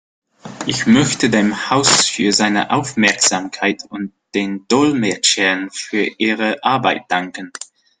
Ich möchte dem Haus für seine Aufmerksamkeit und den Dolmetschern für ihre Arbeit danken.